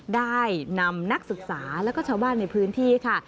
ได้นำนักศึกษาแล้วก็ชาวบ้านในพื้นที่ค่ะ